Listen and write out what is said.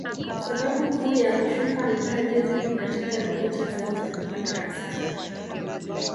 Sababu kuu ya kushuka mtaji zipo katika ripoti zao za kupata hasara